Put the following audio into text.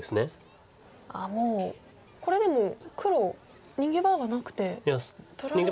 もうこれでも黒逃げ場がなくて取られそう。